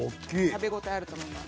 食べ応えあると思います。